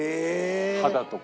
肌とか。